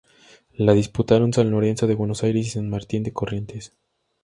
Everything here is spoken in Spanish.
La disputaron San Lorenzo de Buenos Aires y San Martín de Corrientes.